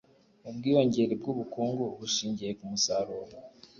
ubwiyongere bw'ubukungu bushingiye ku musaruro